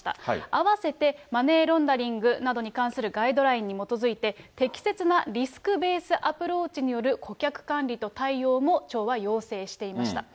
併せて、マネーロンダリングなどに関するガイドラインに基づいて、適切なリスク・ベースアプローチによる顧客管理と対応も町は要請していました。